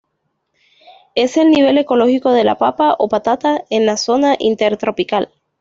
Es el nivel ecológico de la papa o patata, en la zona intertropical.